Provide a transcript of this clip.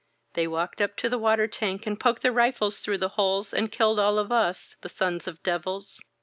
They walked up to the water tank and poked their rifles through the holes and killed all of us — ^the sons of the devils